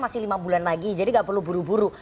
masih lima bulan lagi jadi gak perlu buru buru